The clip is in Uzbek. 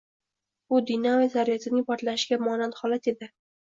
bu dinamit zaryadining portlashiga monand holat edi.